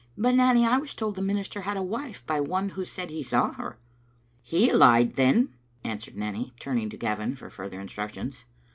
But, Nanny, I was told the minister had a wife, by one who said he saw her." "He lied, then," answered Nanny turning to Gavin for further instructions.